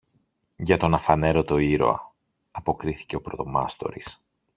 Για τον Αφανέρωτο Ήρωα, αποκρίθηκε ο πρωτομάστορης.